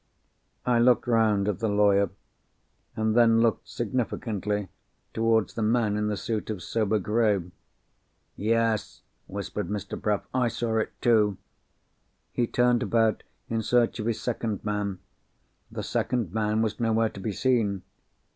I looked round at the lawyer, and then looked significantly towards the man in the suit of sober grey. "Yes!" whispered Mr. Bruff, "I saw it too!" He turned about, in search of his second man. The second man was nowhere to be seen.